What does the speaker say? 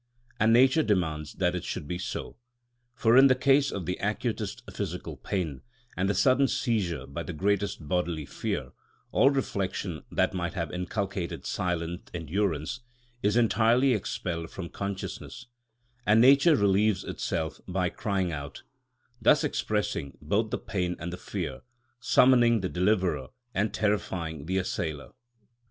And nature demands that it should be so; for in the case of the acutest physical pain, and the sudden seizure by the greatest bodily fear, all reflection, that might have inculcated silent endurance, is entirely expelled from consciousness, and nature relieves itself by crying out, thus expressing both the pain and the fear, summoning the deliverer and terrifying the assailer.